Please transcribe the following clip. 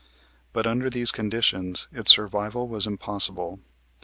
But, under these conditions, its survival was impossible.